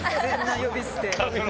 呼び捨て。